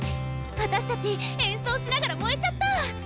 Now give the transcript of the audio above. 私たち演奏しながら燃えちゃった！